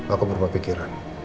aku berubah pikiran